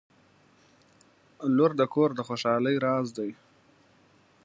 • لور د کور د خوشحالۍ راز دی.